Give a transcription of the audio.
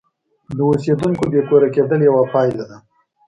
د اوسیدونکو بې کوره کېدل یوه پایله ده.